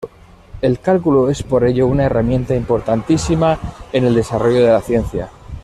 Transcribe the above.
El cálculo es por ello una herramienta importantísima en el desarrollo de la ciencia.